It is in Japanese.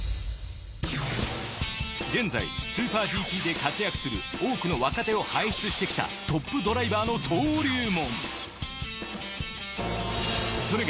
現在スーパーＧＴで活躍する多くの若手を輩出してきたトップドライバーの登竜門。